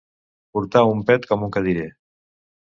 Portar un pet com un cadirer.